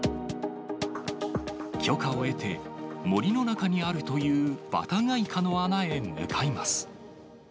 許可を得て、森の中にあるというバタガイカの穴へ向かいます。